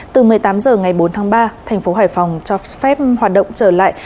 từ một mươi tám h ngày bốn tháng ba thành phố hải phòng cho phép hoạt động trở lại